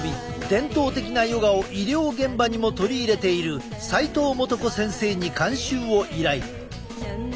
伝統的なヨガを医療現場にも取り入れている齊藤素子先生に監修を依頼。